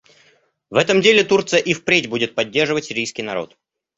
В этом деле Турция и впредь будет поддерживать сирийский народ.